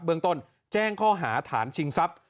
เมืองต้นแจ้งข้อหาฐานชิงทรัพย์